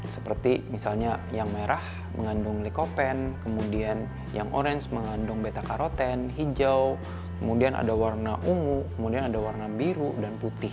seperti misalnya yang merah mengandung likopen kemudian yang orange mengandung beta karoten hijau kemudian ada warna ungu kemudian ada warna biru dan putih